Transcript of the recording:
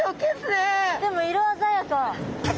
でも色鮮やか。